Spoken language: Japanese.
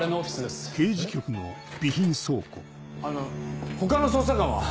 あの他の捜査官は？